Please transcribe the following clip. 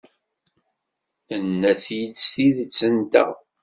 Nenna-t-id s tidet-nteɣ.